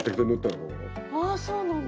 ああそうなんだ。